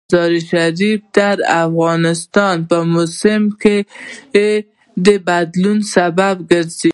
مزارشریف د افغانستان د موسم د بدلون سبب کېږي.